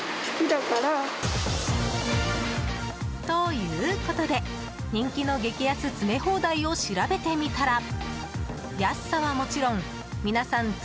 ということで人気の激安詰め放題を調べてみたら安さはもちろん、皆さん